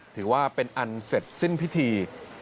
ถือว่าเป็นอันเสร็จสิ้นพิธี